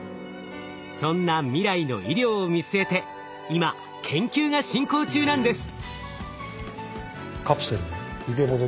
そんな未来の医療を見据えて今研究が進行中なんです！